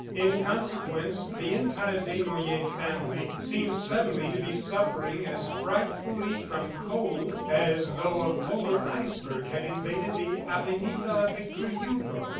In consequence, the entire Desnoyers family seemed suddenly to be suffering as frightfully from cold as though a polar iceberg had invaded the avenida Victor Hugo.